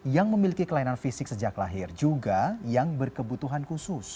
yang memiliki kelainan fisik sejak lahir juga yang berkebutuhan khusus